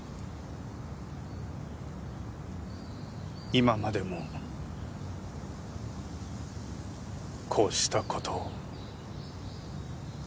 今までもこうしたことを？